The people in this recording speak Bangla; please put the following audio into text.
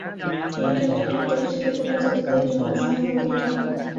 এই কেন্দ্রটি তফসিলি উপজাতিদের জন্য সংরক্ষিত।